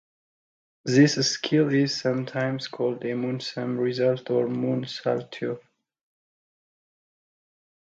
This skill is sometimes called a "Moon Somersault" or "Moon Salto".